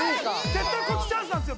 絶対こっちチャンスなんですよ